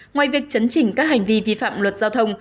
ngoài việc chấn chỉnh các hành vi vi phạm luật giao thông